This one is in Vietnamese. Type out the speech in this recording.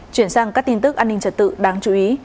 chuyển sang các tin tức an ninh trật tự đáng chú ý